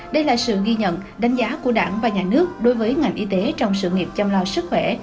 đây là sự ghi nhận đánh giá của đảng và nhà nước đối với ngành y tế trong sự nghiệp chăm lo sức khỏe